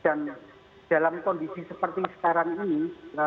dan dalam kondisi seperti sekarang ini